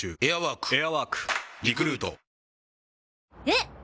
えっ！